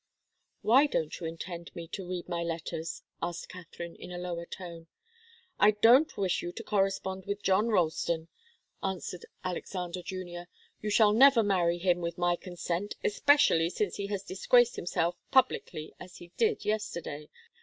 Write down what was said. "Why don't you intend me to read my letters?" asked Katharine in a lower tone. "I don't wish you to correspond with John Ralston," answered Alexander Junior. "You shall never marry him with my consent, especially since he has disgraced himself publicly as he did yesterday.